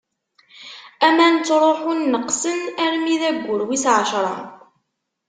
Aman ttṛuḥun neqqsen armi d aggur wis ɛecṛa.